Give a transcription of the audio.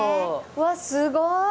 わっすごい！